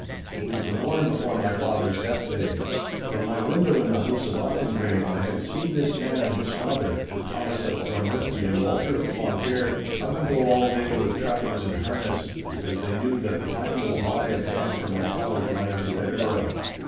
'It was the morn before my father's death day. From my window in the house of Auchendrayne I had seen this man and his father, with Thomas of Drummurchie and Walter of Cloncaird, come and go all day with trappings and harness, because they knew that the time was nigh at hand for my father's riding to Edinburgh.